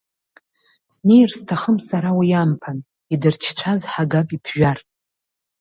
Снеир сҭахым сара уи амԥан, идырчцәаз ҳагап иԥжәар.